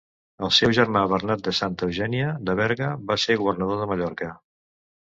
El seu germà Bernat de Santa Eugènia de Berga va ser governador de Mallorca.